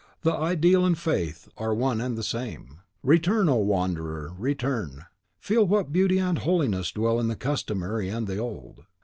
The Ideal and Faith are one and the same. Return, O wanderer, return! Feel what beauty and holiness dwell in the Customary and the Old.